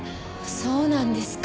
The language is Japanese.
そうなんですか。